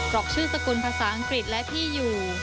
อกชื่อสกุลภาษาอังกฤษและที่อยู่